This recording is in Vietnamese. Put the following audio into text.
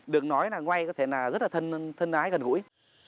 được nói là ngoài có thể là rất là thân ái gần gũi